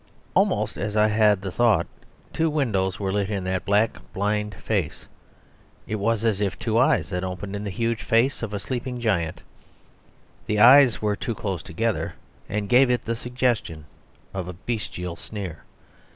Almost as I had the thought, two windows were lit in that black, blind face. It was as if two eyes had opened in the huge face of a sleeping giant; the eyes were too close together, and gave it the suggestion of a bestial sneer.